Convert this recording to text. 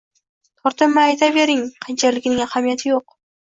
Tortinmay aytavering, qanchaligining ahamiyati yoʻq